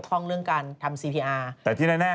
แต่ที่แน่คือ